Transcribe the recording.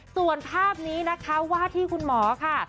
ส่วนภาพนี้นะคะว่าที่คุณหมอค่ะ